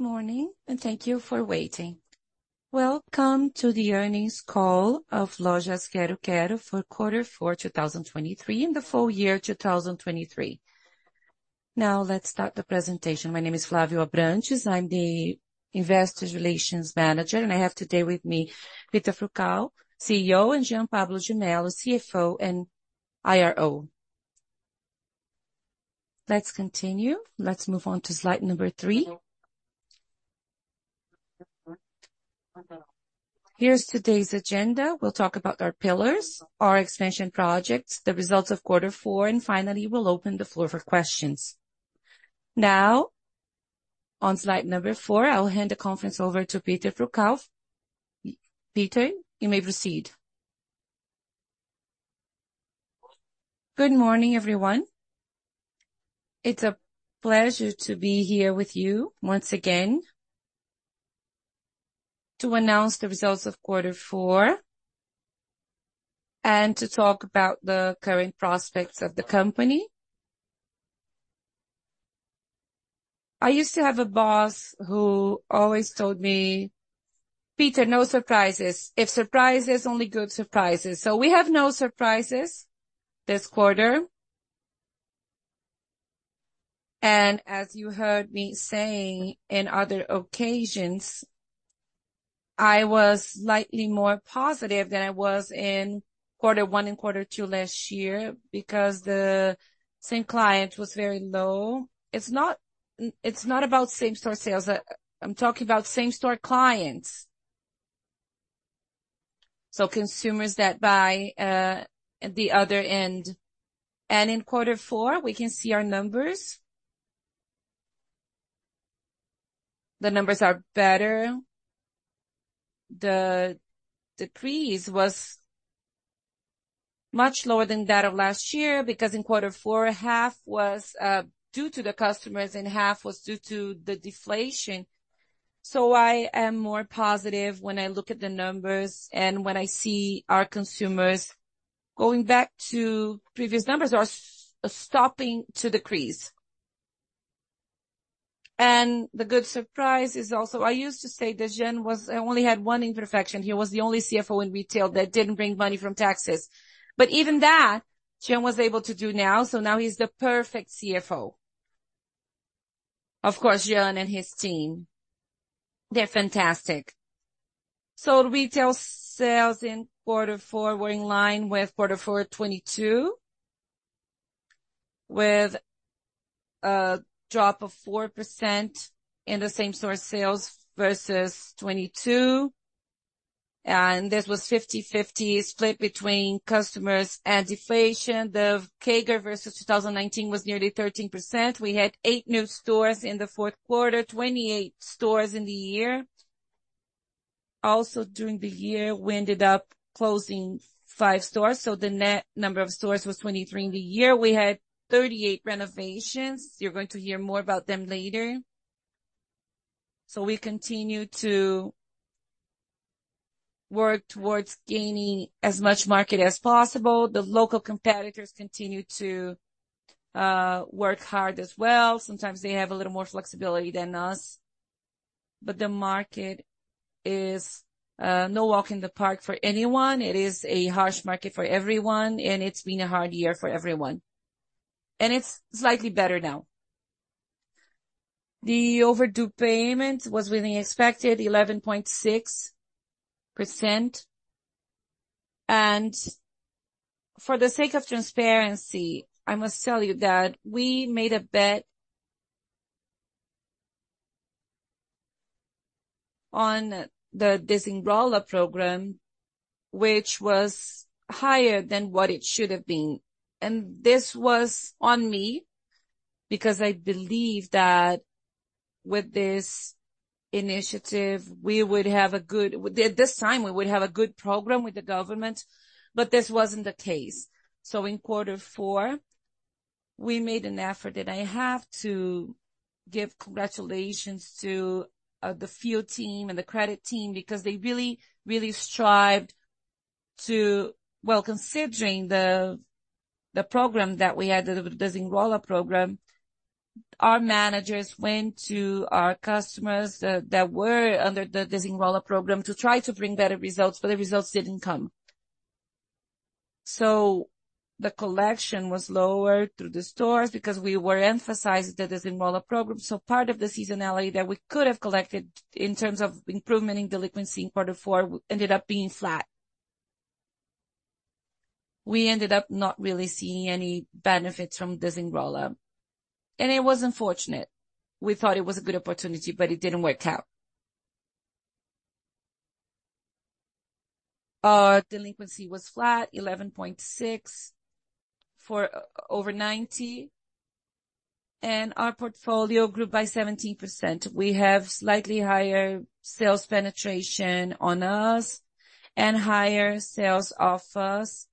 Good morning, and thank you for waiting. Welcome to the earnings call of Lojas Quero-Quero for quarter four 2023 in the full year 2023. Now let's start the presentation. My name is Flávio Abrantes, I'm the Investors Relations Manager, and I have today with me Peter Furukawa, CEO, and Jean Pablo De Mello, CFO and IRO. Let's continue, let's move on to slide number 3. Here's today's agenda. We'll talk about our pillars, our expansion projects, the results of quarter four, and finally we'll open the floor for questions. Now, on slide number 4, I'll hand the conference over to Peter Furukawa. Peter, you may proceed. Good morning, everyone. It's a pleasure to be here with you once again to announce the results of quarter four and to talk about the current prospects of the company. I used to have a boss who always told me, "Peter, no surprises. No surprises, only good surprises." So we have no surprises this quarter. As you heard me saying in other occasions, I was slightly more positive than I was in quarter one and quarter two last year because the same client was very low. It's not about same-store sales. I'm talking about same-store clients, so consumers that buy at the other end. In quarter four, we can see our numbers. The numbers are better. The decrease was much lower than that of last year because in quarter four, half was due to the customers and half was due to the deflation. I am more positive when I look at the numbers and when I see our consumers going back to previous numbers or stopping to decrease. The good surprise is also, I used to say that Jean was. I only had one imperfection. He was the only CFO in retail that didn't bring money from taxes. But even that, Jean was able to do now, so now he's the perfect CFO. Of course, Jean and his team, they're fantastic. So retail sales in quarter four were in line with quarter four 2022, with a drop of 4% in the same-store sales versus 2022. And this was 50/50 split between customers and deflation. The CAGR versus 2019 was nearly 13%. We had eight new stores in the fourth quarter, 28 stores in the year. Also during the year, we ended up closing five stores, so the net number of stores was 23 in the year. We had 38 renovations. You're going to hear more about them later. So we continue to work towards gaining as much market as possible. The local competitors continue to work hard as well. Sometimes they have a little more flexibility than us. But the market is no walk in the park for anyone. It is a harsh market for everyone, and it's been a hard year for everyone. It's slightly better now. The overdue payment was within expected, 11.6%. For the sake of transparency, I must tell you that we made a bet on the Desenrola Brasil program, which was higher than what it should have been. This was on me because I believe that with this initiative, we would have a good at this time, we would have a good program with the government, but this wasn't the case. So in quarter four, we made an effort, and I have to give congratulations to the field team and the credit team because they really, really strived to, well, considering the program that we had, the Desenrola Brasil program, our managers went to our customers that were under the Desenrola Brasil program to try to bring better results, but the results didn't come. So the collection was lower through the stores because we were emphasizing the Desenrola Brasil program. So part of the seasonality that we could have collected in terms of improvement in delinquency in quarter four ended up being flat. We ended up not really seeing any benefits from Desenrola Brasil, and it was unfortunate. We thought it was a good opportunity, but it didn't work out. Delinquency was flat, 11.6 over 90, and our portfolio grew by 17%. We have slightly higher sales penetration on us and higher sales off us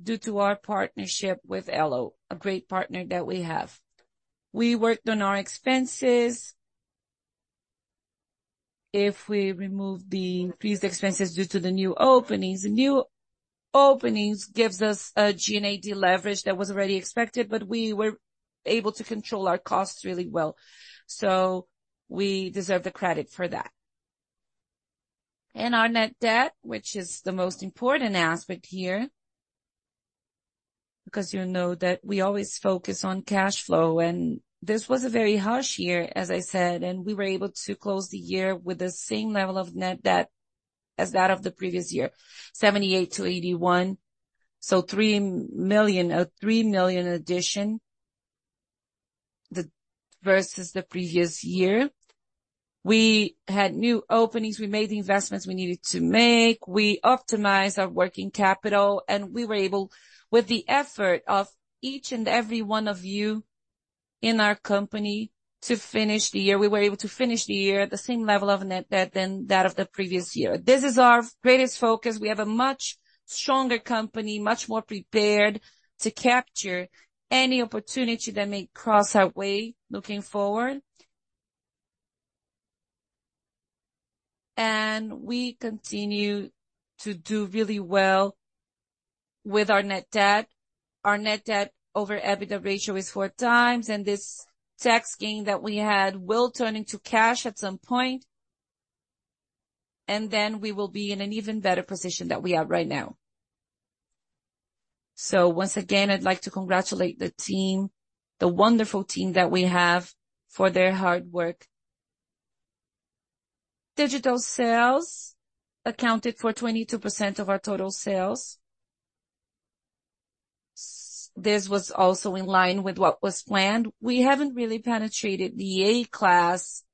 due to our partnership with Elo, a great partner that we have. We worked on our expenses. If we remove the increased expenses due to the new openings, the new openings give us a G&A leverage that was already expected, but we were able to control our costs really well. So we deserve the credit for that. And our net debt, which is the most important aspect here, because you know that we always focus on cash flow, and this was a very harsh year, as I said, and we were able to close the year with the same level of net debt as that of the previous year, 78 million-81 million, so 3 million addition versus the previous year. We had new openings. We made the investments we needed to make. We optimized our working capital, and we were able, with the effort of each and every one of you in our company, to finish the year. We were able to finish the year at the same level of net debt than that of the previous year. This is our greatest focus. We have a much stronger company, much more prepared to capture any opportunity that may cross our way looking forward. We continue to do really well with our net debt. Our net debt over EBITDA ratio is 4x, and this tax gain that we had will turn into cash at some point, and then we will be in an even better position that we are right now. Once again, I'd like to congratulate the team, the wonderful team that we have, for their hard work. Digital sales accounted for 22% of our total sales. This was also in line with what was planned. We haven't really penetrated the A-class,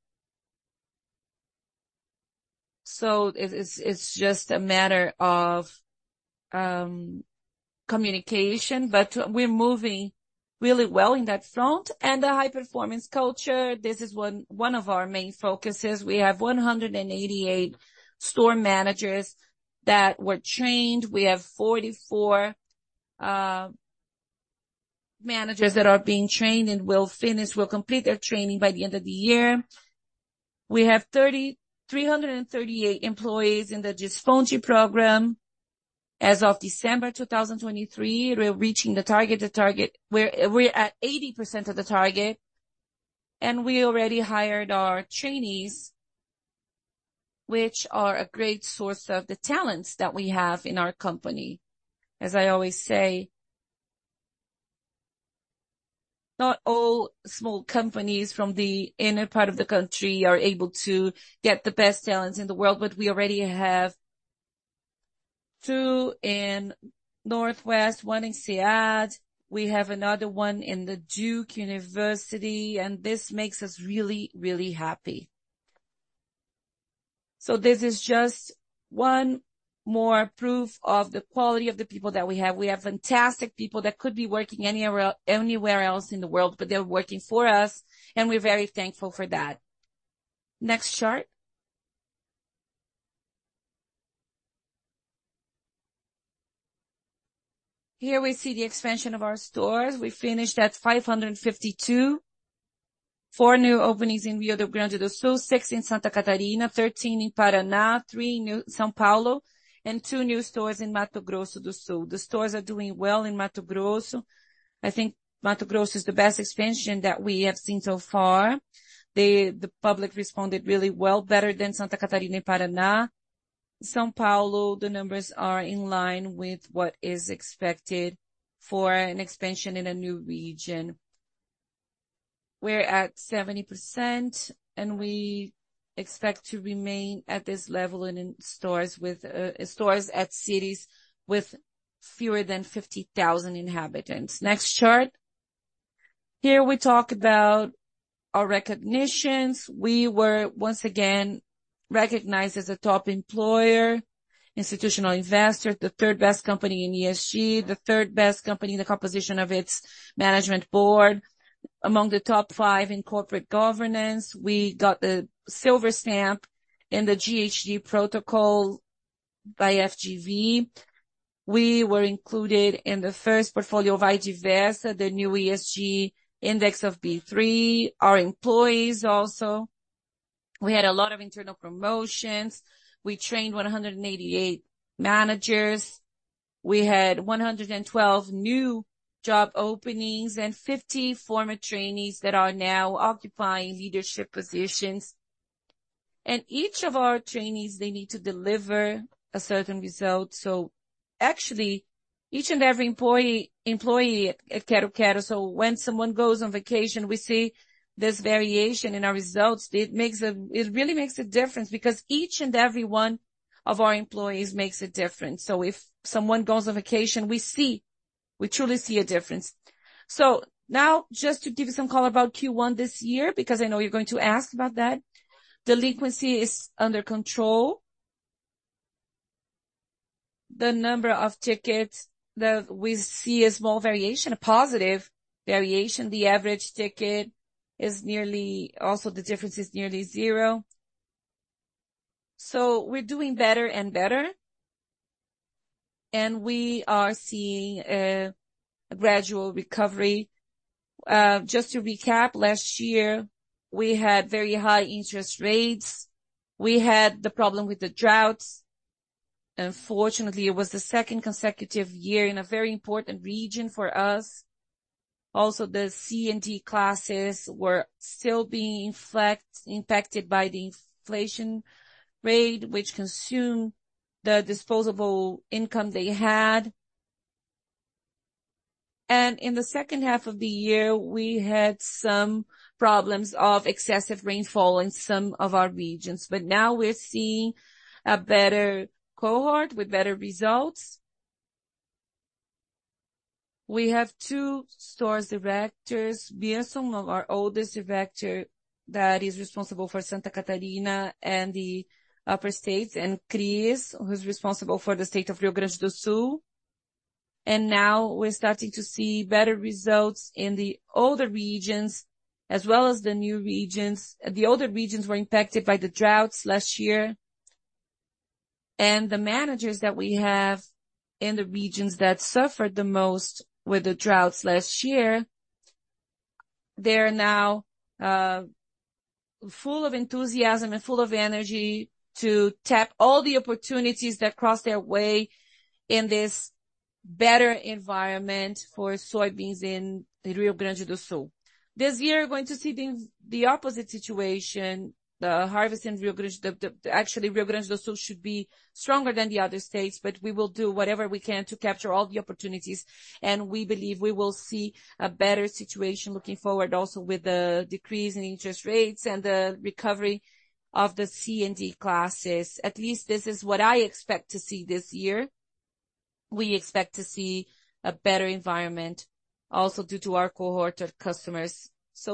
so it's just a matter of communication, but we're moving really well in that front. The high-performance culture, this is one of our main focuses. We have 188 store managers that were trained. We have 44 managers that are being trained and will finish, will complete their training by the end of the year. We have 338 employees in the Despontes program. As of December 2023, we're reaching the target, the target. We're at 80% of the target, and we already hired our trainees, which are a great source of the talents that we have in our company. As I always say, not all small companies from the inner part of the country are able to get the best talents in the world, but we already have two in Northwestern, one in INSEAD. We have another one in Duke University, and this makes us really, really happy. So this is just one more proof of the quality of the people that we have. We have fantastic people that could be working anywhere else in the world, but they're working for us, and we're very thankful for that. Next chart. Here we see the expansion of our stores. We finished at 552, 4 new openings in Rio Grande do Sul, 6 in Santa Catarina, 13 in Paraná, 3 in São Paulo, and 2 new stores in Mato Grosso do Sul. The stores are doing well in Mato Grosso. I think Mato Grosso is the best expansion that we have seen so far. The public responded really well, better than Santa Catarina and Paraná. In São Paulo, the numbers are in line with what is expected for an expansion in a new region. We're at 70%, and we expect to remain at this level in stores at cities with fewer than 50,000 inhabitants. Next chart. Here we talk about our recognitions. We were once again recognized as a Top Employer, Institutional Investor, the third best company in ESG, the third best company in the composition of its management board. Among the top five in corporate governance, we got the silver stamp in the GHG Protocol by FGV. We were included in the first portfolio of IDIVERSA B3, the new ESG Index of B3, our employees also. We had a lot of internal promotions. We trained 188 managers. We had 112 new job openings and 50 former trainees that are now occupying leadership positions. Each of our trainees, they need to deliver a certain result. So actually, each and every employee at Quero-Quero, so when someone goes on vacation, we see this variation in our results. It really makes a difference because each and every one of our employees makes a difference. So if someone goes on vacation, we truly see a difference. So now, just to give you some color about Q1 this year, because I know you're going to ask about that, delinquency is under control. The number of tickets that we see a small variation, a positive variation, the average ticket is nearly also the difference is nearly zero. So we're doing better and better, and we are seeing a gradual recovery. Just to recap, last year, we had very high interest rates. We had the problem with the droughts. Unfortunately, it was the second consecutive year in a very important region for us. Also, the C&D classes were still being impacted by the inflation rate, which consumed the disposable income they had. In the second half of the year, we had some problems of excessive rainfall in some of our regions, but now we're seeing a better cohort with better results. We have two store directors. Biesuz of our oldest director that is responsible for Santa Catarina and the upper states, and Cris, who's responsible for the state of Rio Grande do Sul. Now we're starting to see better results in the older regions as well as the new regions. The older regions were impacted by the droughts last year. The managers that we have in the regions that suffered the most with the droughts last year, they're now full of enthusiasm and full of energy to tap all the opportunities that cross their way in this better environment for soybeans in Rio Grande do Sul. This year, we're going to see the opposite situation. The harvest in Rio Grande actually, Rio Grande do Sul should be stronger than the other states, but we will do whatever we can to capture all the opportunities, and we believe we will see a better situation looking forward also with the decrease in interest rates and the recovery of the C&D classes. At least this is what I expect to see this year. We expect to see a better environment also due to our cohort of customers.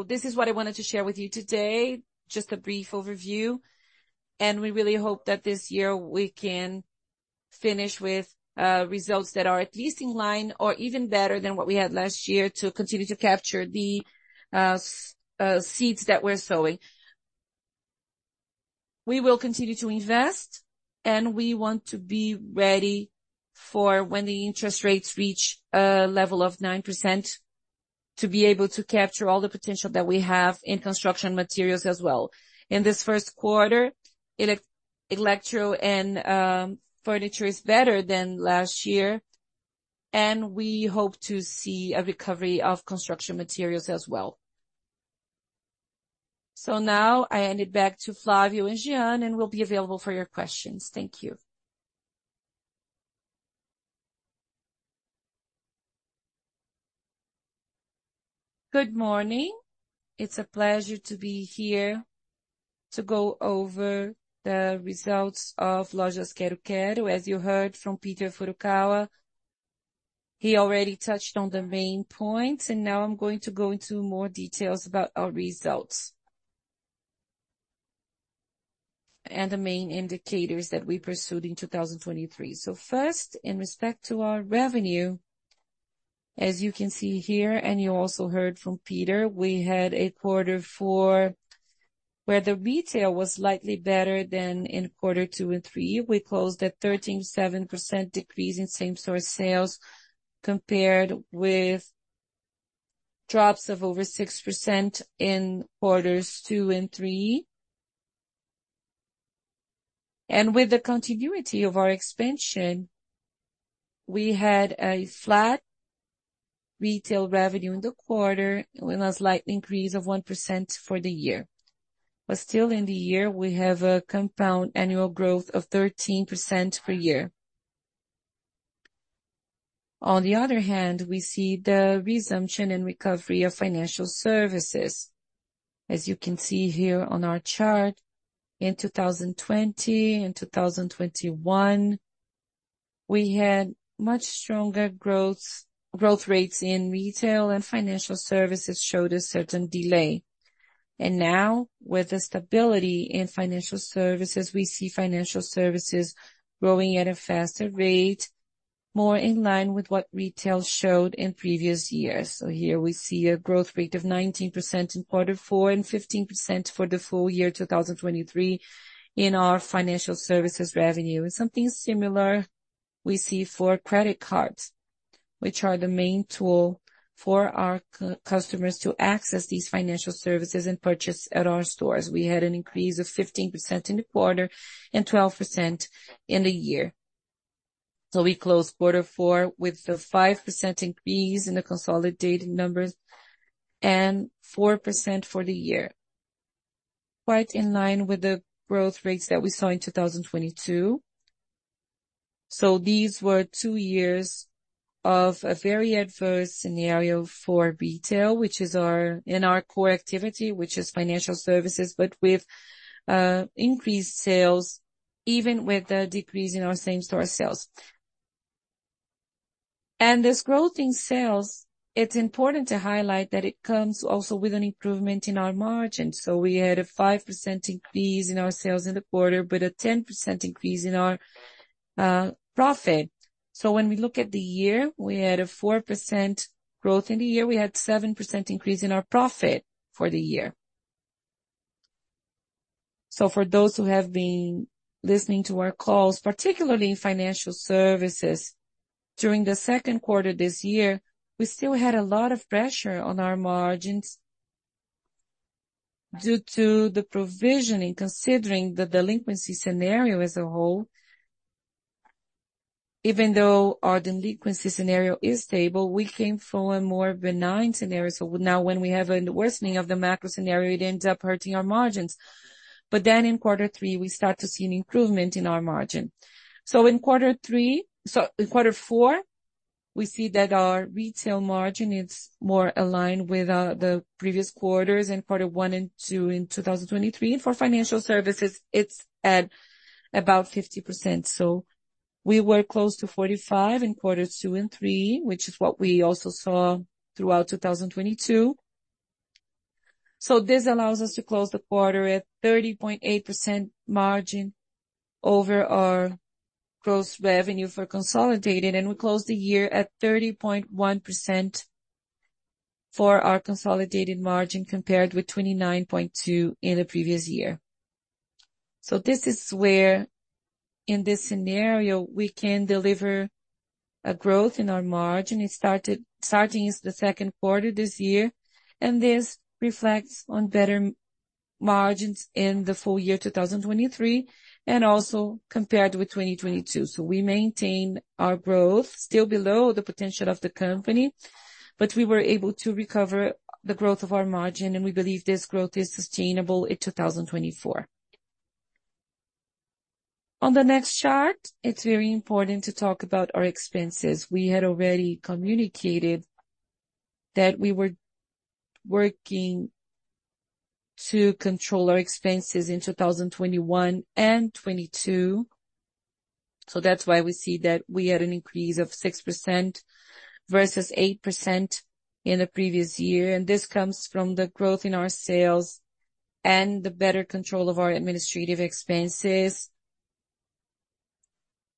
This is what I wanted to share with you today, just a brief overview. We really hope that this year we can finish with results that are at least in line or even better than what we had last year to continue to capture the seeds that we're sowing. We will continue to invest, and we want to be ready for when the interest rates reach a level of 9% to be able to capture all the potential that we have in construction materials as well. In this first quarter, electro and furniture is better than last year, and we hope to see a recovery of construction materials as well. So now I hand it back to Flávio and Jean, and we'll be available for your questions. Thank you. Good morning. It's a pleasure to be here to go over the results of Lojas Quero-Quero. As you heard from Peter Furukawa, he already touched on the main points, and now I'm going to go into more details about our results and the main indicators that we pursued in 2023. First, in respect to our revenue, as you can see here and you also heard from Peter, we had a quarter four where the retail was slightly better than in quarter two and three. We closed at 13.7% decrease in same-store sales compared with drops of over 6% in quarters two and three. With the continuity of our expansion, we had a flat retail revenue in the quarter with a slight increase of 1% for the year. Still in the year, we have a compound annual growth of 13% per year. On the other hand, we see the resumption and recovery of financial services. As you can see here on our chart, in 2020 and 2021, we had much stronger growth rates in retail, and financial services showed a certain delay. Now, with the stability in financial services, we see financial services growing at a faster rate, more in line with what retail showed in previous years. Here we see a growth rate of 19% in quarter four and 15% for the full year 2023 in our financial services revenue. Something similar we see for credit cards, which are the main tool for our customers to access these financial services and purchase at our stores. We had an increase of 15% in the quarter and 12% in the year. We closed quarter four with a 5% increase in the consolidated numbers and 4% for the year, quite in line with the growth rates that we saw in 2022. These were two years of a very adverse scenario for retail, which is in our core activity, which is financial services, but with increased sales even with the decrease in our same-store sales. This growth in sales, it's important to highlight that it comes also with an improvement in our margins. We had a 5% increase in our sales in the quarter with a 10% increase in our profit. When we look at the year, we had a 4% growth in the year. We had a 7% increase in our profit for the year. For those who have been listening to our calls, particularly in financial services, during the second quarter this year, we still had a lot of pressure on our margins due to the provisioning, considering the delinquency scenario as a whole. Even though our delinquency scenario is stable, we came from a more benign scenario. So now when we have a worsening of the macro scenario, it ends up hurting our margins. But then in quarter three, we start to see an improvement in our margin. So in quarter four, we see that our retail margin is more aligned with the previous quarters in quarter one and two in 2023. And for financial services, it's at about 50%. So we were close to 45% in quarters two and three, which is what we also saw throughout 2022. So this allows us to close the quarter at 30.8% margin over our gross revenue for consolidated, and we closed the year at 30.1% for our consolidated margin compared with 29.2% in the previous year. So this is where, in this scenario, we can deliver a growth in our margin. It started in the second quarter this year, and this reflects on better margins in the full year 2023 and also compared with 2022. So we maintain our growth, still below the potential of the company, but we were able to recover the growth of our margin, and we believe this growth is sustainable in 2024. On the next chart, it's very important to talk about our expenses. We had already communicated that we were working to control our expenses in 2021 and 2022. So that's why we see that we had an increase of 6% versus 8% in the previous year. And this comes from the growth in our sales and the better control of our administrative expenses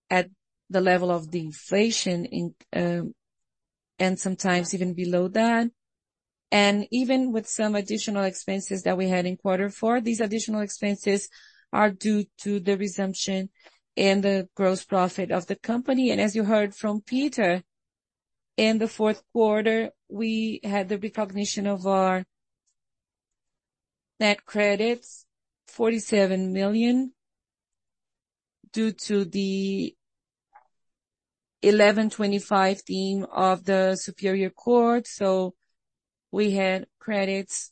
at the level of the inflation and sometimes even below that. Even with some additional expenses that we had in quarter four, these additional expenses are due to the resumption and the gross profit of the company. As you heard from Peter, in the fourth quarter, we had the recognition of our net credits, 47 million, due to the 1125 theme of the Superior Court of Justice. So we had credits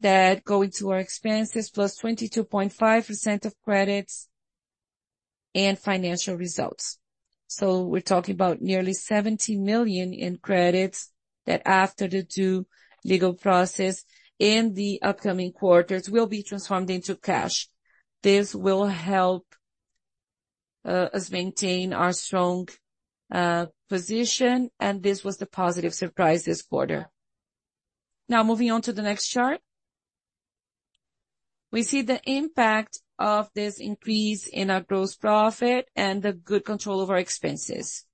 that go into our expenses plus 22.5% of credits and financial results. We're talking about nearly 70 million in credits that, after the due legal process in the upcoming quarters, will be transformed into cash. This will help us maintain our strong position, and this was the positive surprise this quarter. Now, moving on to the next chart, we see the impact of this increase in our gross profit and the good control of our expenses.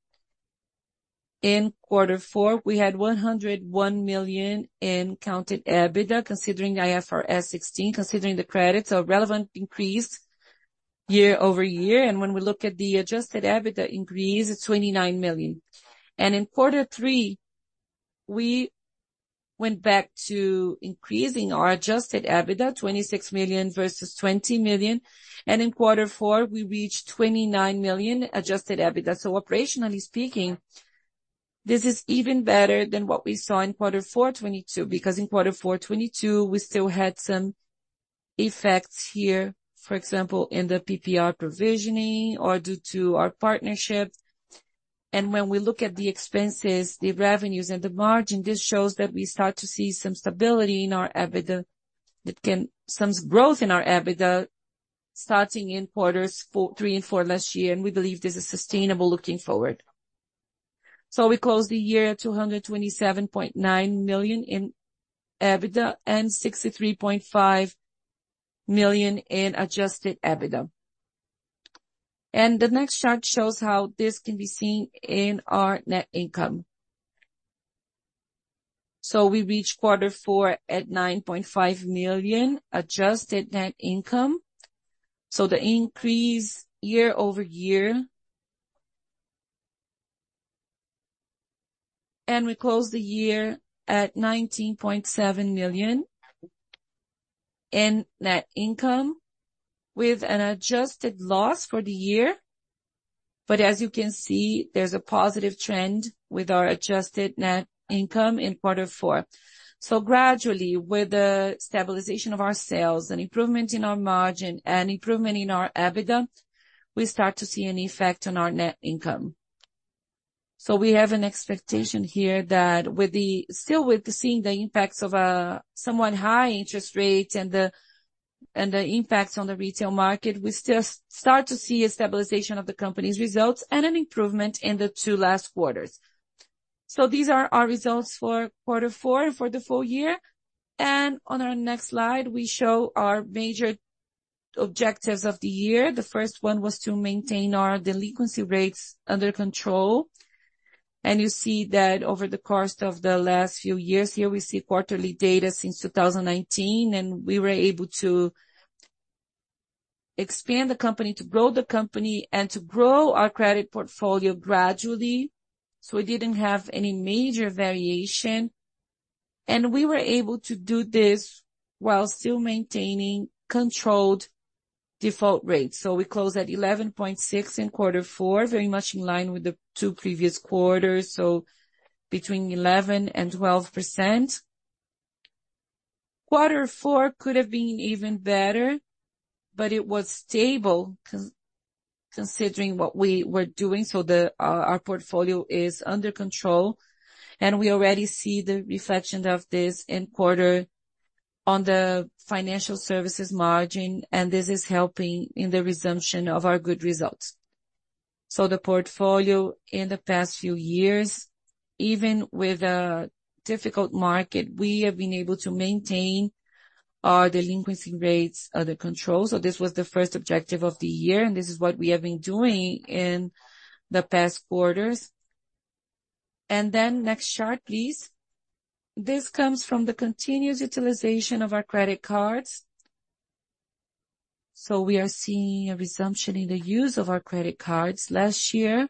In quarter four, we had 101 million in counted EBITDA, considering IFRS 16, considering the credits, a relevant increase year-over-year. When we look at the adjusted EBITDA increase, it's 29 million. In quarter three, we went back to increasing our adjusted EBITDA, 26 million versus 20 million. In quarter four, we reached 29 million adjusted EBITDA. So operationally speaking, this is even better than what we saw in quarter 4, 2022, because in quarter 4, 2022, we still had some effects here, for example, in the PPR provisioning or due to our partnership. When we look at the expenses, the revenues, and the margin, this shows that we start to see some stability in our EBITDA, some growth in our EBITDA starting in quarters three and four last year, and we believe this is sustainable looking forward. We closed the year at 227.9 million in EBITDA and 63.5 million in adjusted EBITDA. The next chart shows how this can be seen in our net income. We reached quarter four at 9.5 million adjusted net income. The increase year-over-year. We closed the year at 19.7 million in net income with an adjusted loss for the year. But as you can see, there's a positive trend with our adjusted net income in quarter four. Gradually, with the stabilization of our sales and improvement in our margin and improvement in our EBITDA, we start to see an effect on our net income. So we have an expectation here that, still seeing the impacts of a somewhat high interest rate and the impacts on the retail market, we still start to see a stabilization of the company's results and an improvement in the two last quarters. So these are our results for quarter four and for the full year. And on our next slide, we show our major objectives of the year. The first one was to maintain our delinquency rates under control. And you see that over the course of the last few years here, we see quarterly data since 2019, and we were able to expand the company, to grow the company, and to grow our credit portfolio gradually. So we didn't have any major variation. And we were able to do this while still maintaining controlled default rates. So we closed at 11.6% in quarter four, very much in line with the two previous quarters, so between 11% and 12%. Quarter four could have been even better, but it was stable considering what we were doing. So our portfolio is under control, and we already see the reflection of this in quarter one on the financial services margin, and this is helping in the resumption of our good results. So the portfolio in the past few years, even with a difficult market, we have been able to maintain our delinquency rates under control. So this was the first objective of the year, and this is what we have been doing in the past quarters. And then next chart, please. This comes from the continuous utilization of our credit cards. So we are seeing a resumption in the use of our credit cards last year.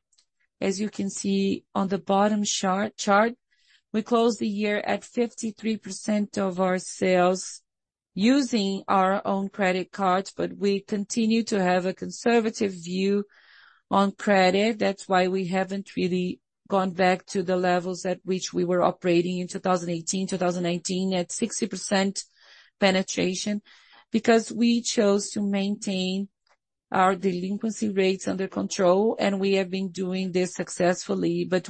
As you can see on the bottom chart, we closed the year at 53% of our sales using our own credit cards, but we continue to have a conservative view on credit. That's why we haven't really gone back to the levels at which we were operating in 2018, 2019, at 60% penetration, because we chose to maintain our delinquency rates under control, and we have been doing this successfully. But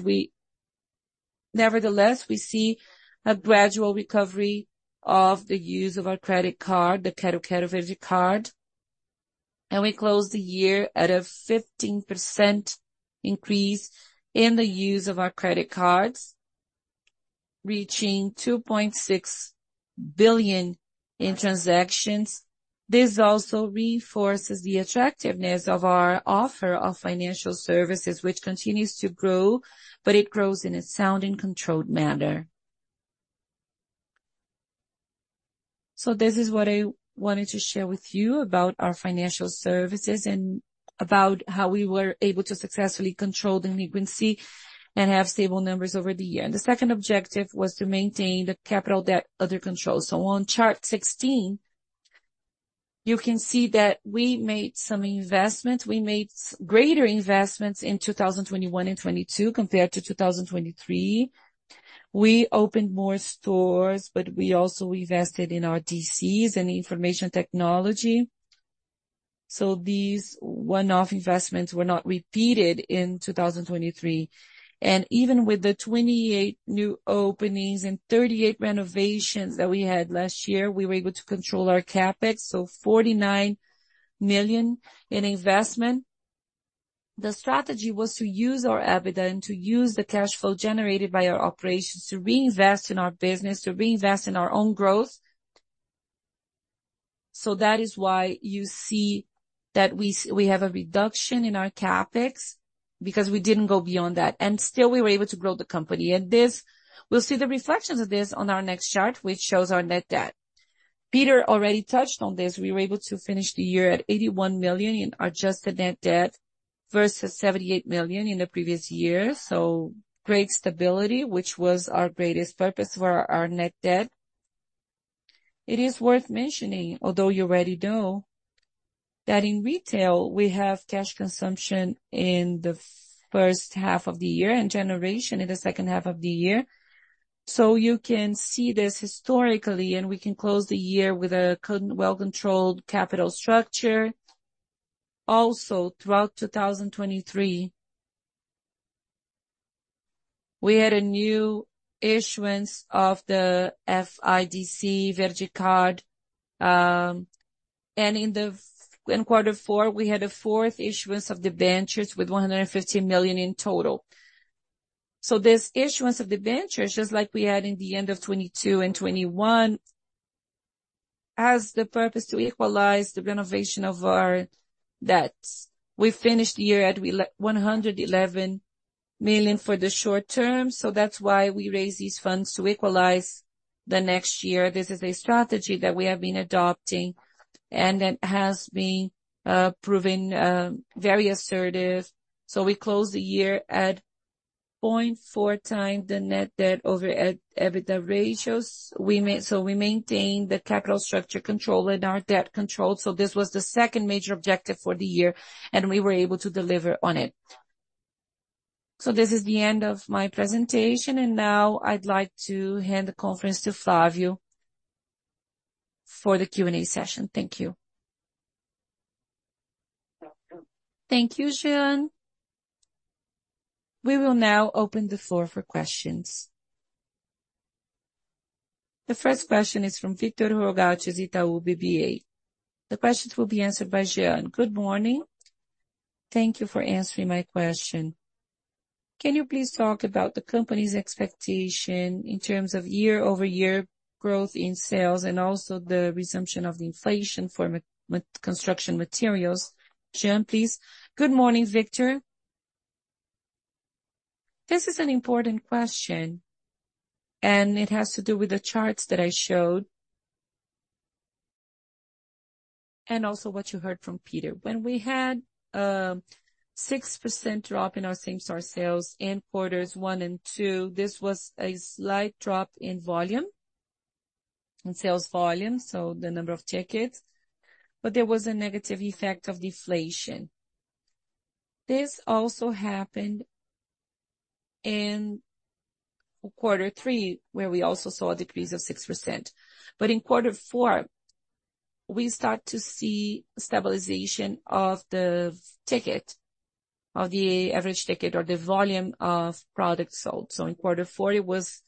nevertheless, we see a gradual recovery of the use of our credit card, the Quero-Quero Verde card. We closed the year at a 15% increase in the use of our credit cards, reaching 2.6 billion in transactions. This also reinforces the attractiveness of our offer of financial services, which continues to grow, but it grows in a sound and controlled manner. This is what I wanted to share with you about our financial services and about how we were able to successfully control delinquency and have stable numbers over the year. The second objective was to maintain the capital debt under control. On chart 16, you can see that we made some investments. We made greater investments in 2021 and 2022 compared to 2023. We opened more stores, but we also invested in our DCs and information technology. These one-off investments were not repeated in 2023. Even with the 28 new openings and 38 renovations that we had last year, we were able to control our CapEx, so 49 million in investment. The strategy was to use our EBITDA and to use the cash flow generated by our operations to reinvest in our business, to reinvest in our own growth. So that is why you see that we have a reduction in our CapEx because we didn't go beyond that, and still we were able to grow the company. And we'll see the reflections of this on our next chart, which shows our net debt. Peter already touched on this. We were able to finish the year at 81 million in adjusted net debt versus 78 million in the previous year. So great stability, which was our greatest purpose for our net debt. It is worth mentioning, although you already know, that in retail, we have cash consumption in the first half of the year and generation in the second half of the year. So you can see this historically, and we can close the year with a well-controlled capital structure. Also, throughout 2023, we had a new issuance of the FIDC VerdeCard. In quarter four, we had a fourth issuance of the debentures with 115 million in total. So this issuance of the debentures, just like we had in the end of 2022 and 2021, has the purpose to equalize the renovation of our debts. We finished the year at 111 million for the short term, so that's why we raised these funds to equalize the next year. This is a strategy that we have been adopting, and it has been proven very assertive. So we closed the year at 0.4 times the net debt over EBITDA ratios. So we maintained the capital structure controlled and our debt controlled. So this was the second major objective for the year, and we were able to deliver on it. So this is the end of my presentation, and now I'd like to hand the conference to Flávio for the Q&A session. Thank you. You're welcome. Thank you, Jean. We will now open the floor for questions. The first question is from Victor Rogatis, Itaú BBA. The questions will be answered by Jean. Good morning. Thank you for answering my question. Can you please talk about the company's expectation in terms of year-over-year growth in sales and also the resumption of the inflation for construction materials? Jean, please. Good morning, Victor. This is an important question, and it has to do with the charts that I showed and also what you heard from Peter. When we had a 6% drop in our same-store sales in quarters one and two, this was a slight drop in volume, in sales volume, so the number of tickets, but there was a negative effect of deflation. This also happened in quarter three, where we also saw a decrease of 6%. But in quarter four, we start to see stabilization of the average ticket or the volume of product sold. So in quarter four, it was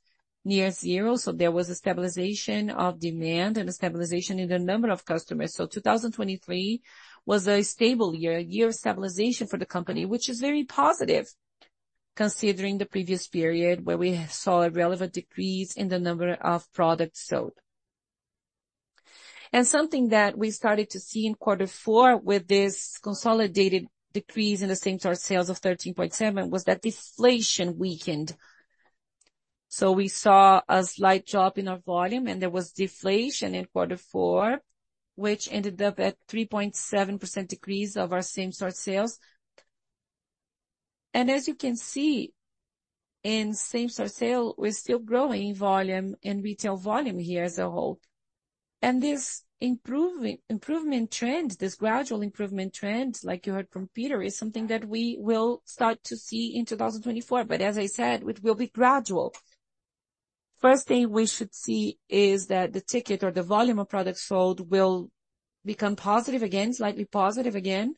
near zero, so there was a stabilization of demand and a stabilization in the number of customers. So 2023 was a stable year, a year of stabilization for the company, which is very positive considering the previous period where we saw a relevant decrease in the number of products sold. And something that we started to see in quarter four with this consolidated decrease in the same-store sales of 13.7% was that deflation weakened. So we saw a slight drop in our volume, and there was deflation in quarter four, which ended up at a 3.7% decrease of our same-store sales. And as you can see, in same-store sales, we're still growing in volume and retail volume here as a whole. This improvement trend, this gradual improvement trend, like you heard from Peter, is something that we will start to see in 2024. But as I said, it will be gradual. First thing we should see is that the ticket or the volume of products sold will become positive again, slightly positive again.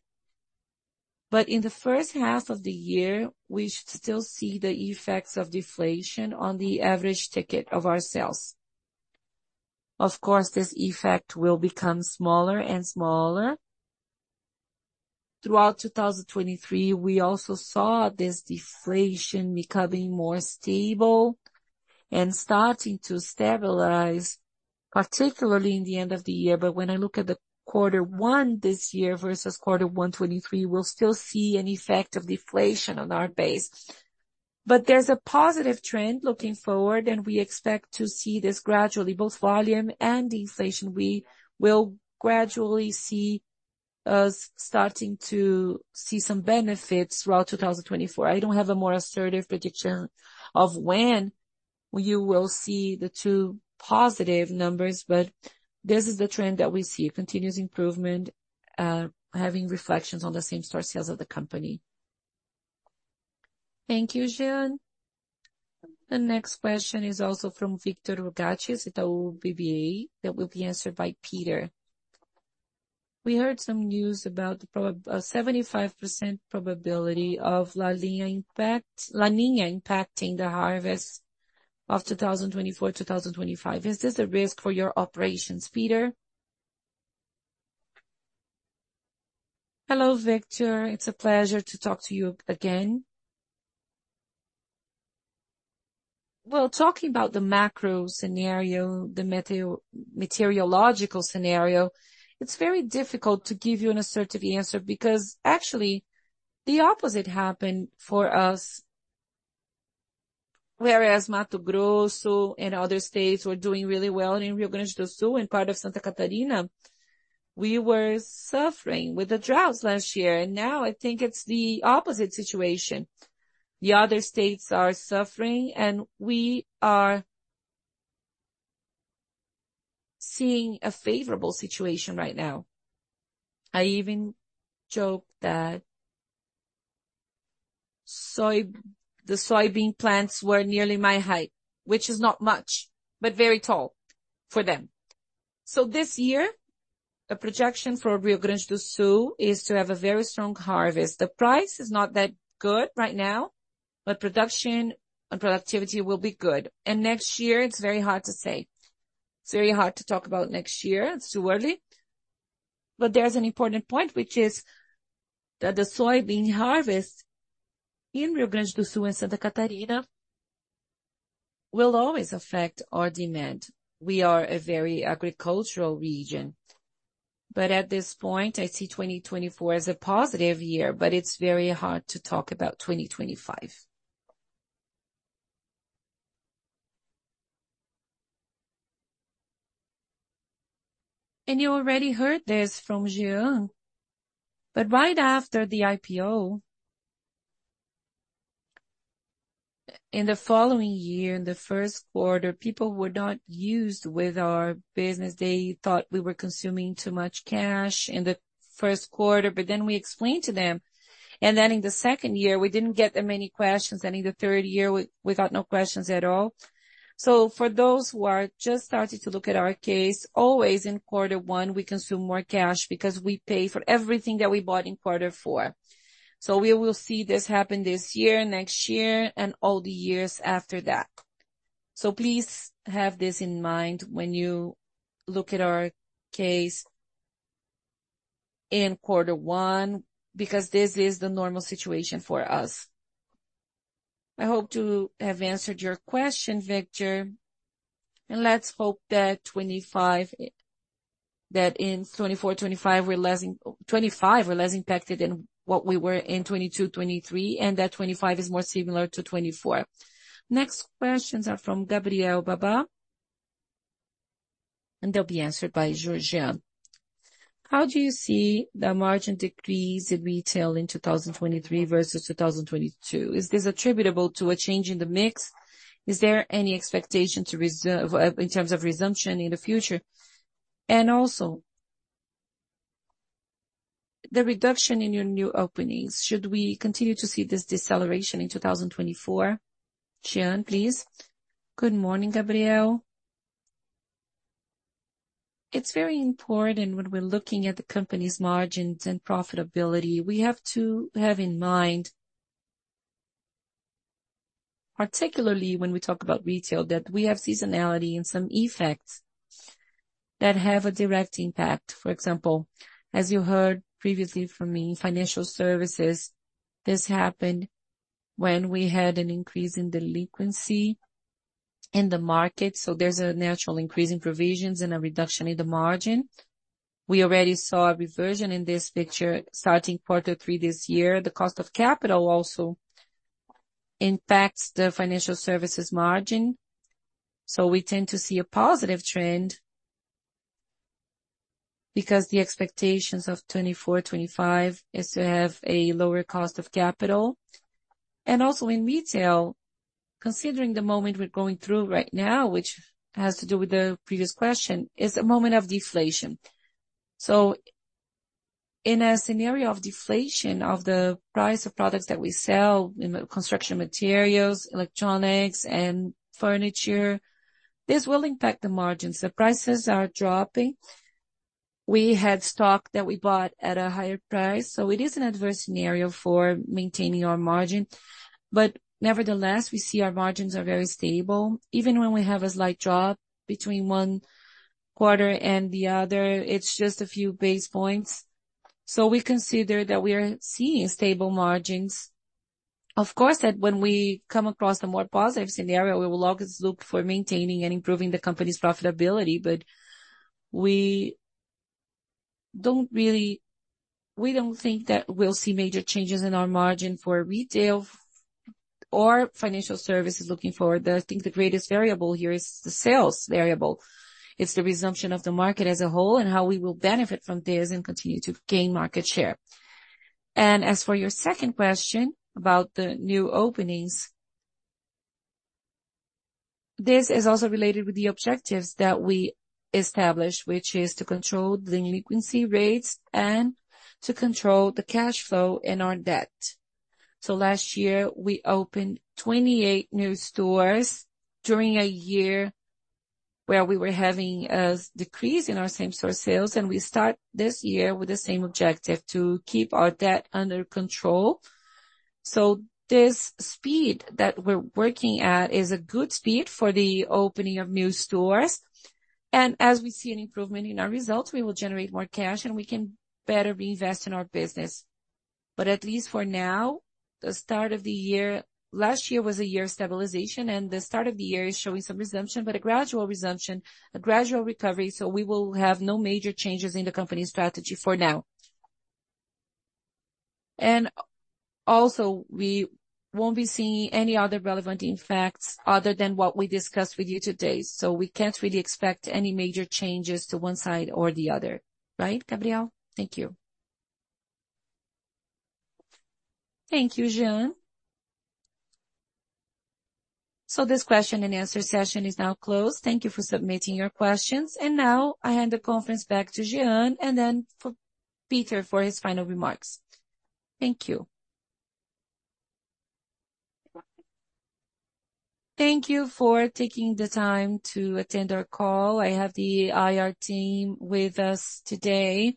But in the first half of the year, we should still see the effects of deflation on the average ticket of our sales. Of course, this effect will become smaller and smaller. Throughout 2023, we also saw this deflation becoming more stable and starting to stabilize, particularly in the end of the year. But when I look at quarter one this year versus quarter one, 2023, we'll still see an effect of deflation on our base. But there's a positive trend looking forward, and we expect to see this gradually, both volume and inflation. We will gradually see us starting to see some benefits throughout 2024. I don't have a more assertive prediction of when you will see the two positive numbers, but this is the trend that we see, continuous improvement, having reflections on the same-store sales of the company. Thank you, Jean. The next question is also from Victor Rogatis, Itaú BBA. That will be answered by Peter. We heard some news about a 75% probability of La Niña impacting the harvest of 2024-2025. Is this a risk for your operations, Peter? Hello, Victor. It's a pleasure to talk to you again. Well, talking about the macro scenario, the meteorological scenario, it's very difficult to give you an assertive answer because, actually, the opposite happened for us. Whereas Mato Grosso and other states were doing really well, and in Rio Grande do Sul and part of Santa Catarina, we were suffering with the droughts last year. And now I think it's the opposite situation. The other states are suffering, and we are seeing a favorable situation right now. I even joke that the soybean plants were nearly my height, which is not much but very tall for them. So this year, a projection for Rio Grande do Sul is to have a very strong harvest. The price is not that good right now, but production and productivity will be good. And next year, it's very hard to say. It's very hard to talk about next year. It's too early. But there's an important point, which is that the soybean harvest in Rio Grande do Sul and Santa Catarina will always affect our demand. We are a very agricultural region. But at this point, I see 2024 as a positive year, but it's very hard to talk about 2025. And you already heard this from Jean, but right after the IPO, in the following year, in the first quarter, people were not used with our business. They thought we were consuming too much cash in the first quarter, but then we explained to them. And then in the second year, we didn't get that many questions, and in the third year, we got no questions at all. So for those who are just starting to look at our case, always in quarter one, we consume more cash because we pay for everything that we bought in quarter four. So we will see this happen this year, next year, and all the years after that. So please have this in mind when you look at our case in quarter one because this is the normal situation for us. I hope to have answered your question, Victor. And let's hope that in 2024-2025, we're less impacted than what we were in 2022-2023 and that 2025 is more similar to 2024. Next questions are from Gabrielle Baba, and they'll be answered by Jean. How do you see the margin decrease in retail in 2023 versus 2022? Is this attributable to a change in the mix? Is there any expectation in terms of resumption in the future? And also, the reduction in your new openings, should we continue to see this deceleration in 2024? Jean, please. Good morning, Gabrielle. It's very important when we're looking at the company's margins and profitability. We have to have in mind, particularly when we talk about retail, that we have seasonality and some effects that have a direct impact. For example, as you heard previously from me, financial services, this happened when we had an increase in delinquency in the market. So there's a natural increase in provisions and a reduction in the margin. We already saw a reversion in this picture starting quarter three this year. The cost of capital also impacts the financial services margin. So we tend to see a positive trend because the expectations of 2024-2025 is to have a lower cost of capital. And also in retail, considering the moment we're going through right now, which has to do with the previous question, is a moment of deflation. So in a scenario of deflation of the price of products that we sell, construction materials, electronics, and furniture, this will impact the margins. The prices are dropping. We had stock that we bought at a higher price, so it is an adverse scenario for maintaining our margin. But nevertheless, we see our margins are very stable. Even when we have a slight drop between one quarter and the other, it's just a few basis points. So we consider that we are seeing stable margins. Of course, that when we come across the more positive scenario, we will always look for maintaining and improving the company's profitability, but we don't think that we'll see major changes in our margin for retail or financial services looking forward. I think the greatest variable here is the sales variable. It's the resumption of the market as a whole and how we will benefit from this and continue to gain market share. As for your second question about the new openings, this is also related with the objectives that we established, which is to control the delinquency rates and to control the cash flow in our debt. Last year, we opened 28 new stores during a year where we were having a decrease in our same-store sales, and we start this year with the same objective to keep our debt under control. This speed that we're working at is a good speed for the opening of new stores. As we see an improvement in our results, we will generate more cash, and we can better reinvest in our business. But at least for now, the start of the year last year was a year of stabilization, and the start of the year is showing some resumption, but a gradual resumption, a gradual recovery. So we will have no major changes in the company's strategy for now. And also, we won't be seeing any other relevant impacts other than what we discussed with you today. So we can't really expect any major changes to one side or the other, right, Gabrielle? Thank you. Thank you, Jean. So this question and answer session is now closed. Thank you for submitting your questions. And now I hand the conference back to Jean and then for Peter for his final remarks. Thank you. Thank you for taking the time to attend our call. I have the IR team with us today,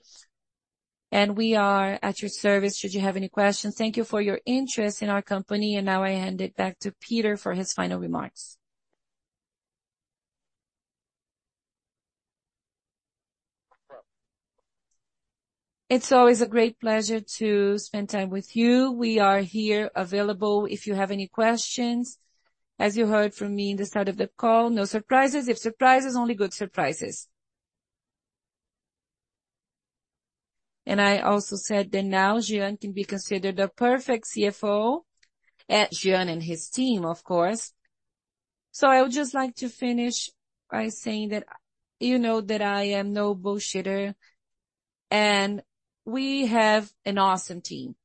and we are at your service should you have any questions. Thank you for your interest in our company, and now I hand it back to Peter for his final remarks. It's always a great pleasure to spend time with you. We are here available if you have any questions. As you heard from me in the start of the call, no surprises. If surprises, only good surprises. I also said that now Jean can be considered the perfect CFO, Jean, and his team, of course. I would just like to finish by saying that you know that I am no bullshitter, and we have an awesome team.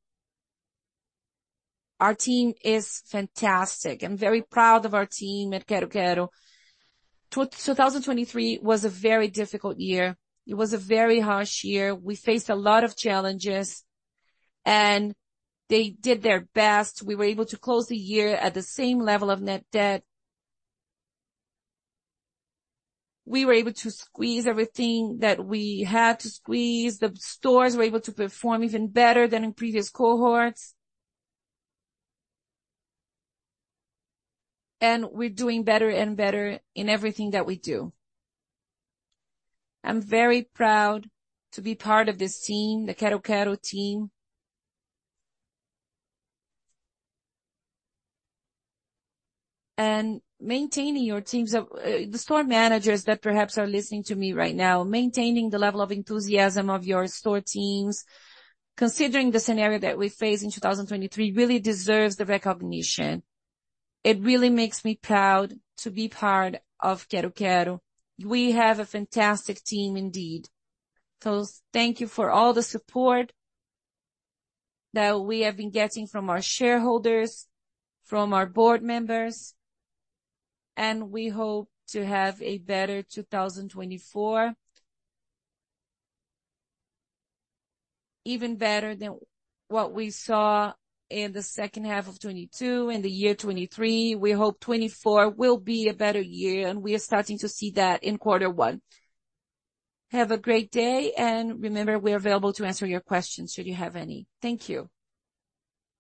Our team is fantastic. I'm very proud of our team at Quero-Quero. 2023 was a very difficult year. It was a very harsh year. We faced a lot of challenges, and they did their best. We were able to close the year at the same level of net debt. We were able to squeeze everything that we had to squeeze. The stores were able to perform even better than in previous cohorts, and we're doing better and better in everything that we do. I'm very proud to be part of this team, the Quero-Quero team, and maintaining your teams, the store managers that perhaps are listening to me right now, maintaining the level of enthusiasm of your store teams, considering the scenario that we face in 2023 really deserves the recognition. It really makes me proud to be part of Quero-Quero. We have a fantastic team, indeed. So thank you for all the support that we have been getting from our shareholders, from our board members, and we hope to have a better 2024, even better than what we saw in the second half of 2022 and the year 2023. We hope 2024 will be a better year, and we are starting to see that in quarter one. Have a great day, and remember, we are available to answer your questions should you have any. Thank you.